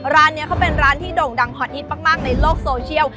ร้านนี้เขาเป็นร้านที่โด่งดังฮอตฮิตมากในโลกโซเชียล